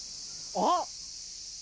あっ！